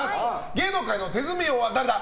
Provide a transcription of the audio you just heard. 芸能界の手積み王は誰だ！？